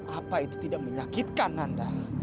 apa itu tidak menyakitkan anda